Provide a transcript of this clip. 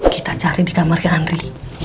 kita cari di kamar ke andri